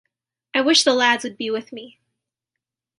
I wish the lads would be with me.